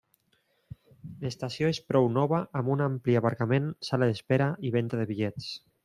L'estació és prou nova amb un ampli aparcament, sala d'espera i venda de bitllets.